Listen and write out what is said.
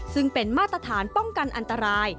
ซึ่งเป็นมาตรฐานป้องกันอันตราย